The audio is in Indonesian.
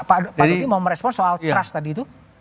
pak duki mau merespon soal trust tadi itu